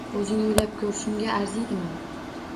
O`zing o`ylab ko`r, shunga arziydimi